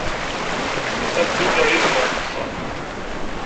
Ad ddukleɣ yid-wen ɣer teɣsert.